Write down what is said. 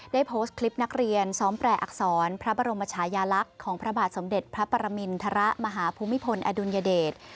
ได้โพสต์คลิปนักเรียนซ้อมแปลอักษรพระบรมชายาลักษณ์ของพระบาทสมเด็จพระปรมินทรมาหาภูมิพลอดุลยเดช